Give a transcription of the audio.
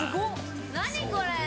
何これ。